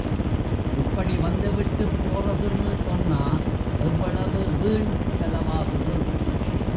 இப்படி வந்துவிட்டுப் போறதுன்னு சொன்னா எவ்வளவு வீண் செலவாகுது?